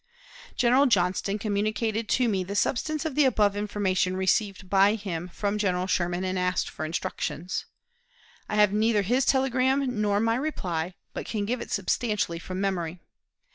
General Johnston communicated to me the substance of the above information received by him from General Sherman, and asked for instructions. I have neither his telegram nor my reply, but can give it substantially from memory.